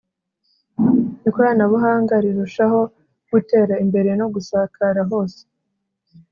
ikorana buhanga rirushaho gutera imbere no gusakara hose.